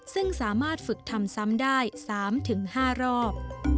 ซึ่งสามารถฝึกทำซ้ำได้๓๕รอบ